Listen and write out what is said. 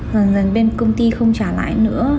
rồi dần dần bên công ty không trả lãi nữa